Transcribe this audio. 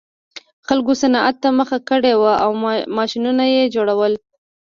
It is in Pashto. خلکو صنعت ته مخه کړې وه او ماشینونه یې جوړول